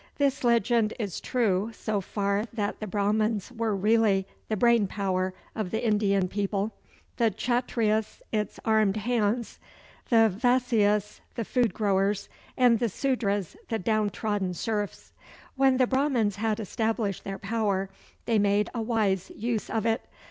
This legend is true so far that the Brahmans were really the brain power of the Indian people, the Kchatryas its armed hands, the Vaisyas the food growers, and the Sudras the down trodden serfs. When the Brahmans had established their power, they made a wise use of it.